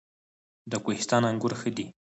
د کوهستان انګور ښه دي